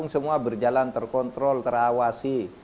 semua berjalan terkontrol terawasi